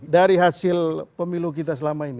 dari hasil pemilu kita selama ini